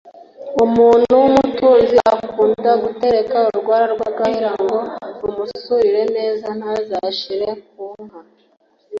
Umuntu w’umutunzi akunda gutereka urwara rw’agahera ngo rumusurira neza ntazashire ku nka